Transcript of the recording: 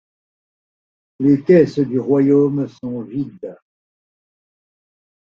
Les caisses du royaume sont vides.